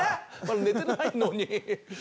寝てないのに。